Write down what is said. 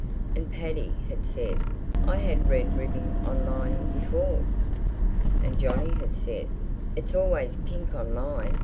And Paddy had said, "I had red ribbing on mine bee fore!" And Johnny had said, "It's always pink on mine.